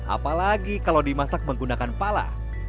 apalagi kalau dimasak menggunakan pala